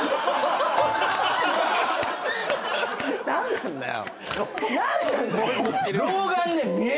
何なんだよ。